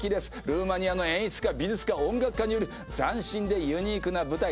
ルーマニアの演出家美術家音楽家による斬新でユニークな舞台